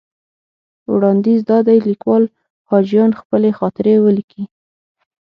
وړاندیز دا دی لیکوال حاجیان خپلې خاطرې ولیکي.